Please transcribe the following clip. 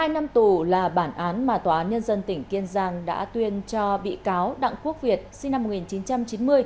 một mươi năm tù là bản án mà tòa án nhân dân tỉnh kiên giang đã tuyên cho bị cáo đặng quốc việt sinh năm một nghìn chín trăm chín mươi